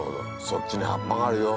そっちに葉っぱがあるよ